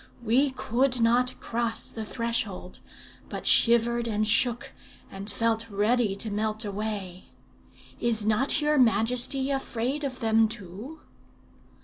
We could not cross the threshold, but shivered and shook, and felt ready to melt away. Is not your majesty afraid of them too?"